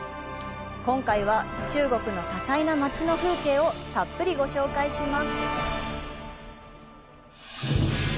今回は、中国の多彩な街の風景をたっぷりご紹介します。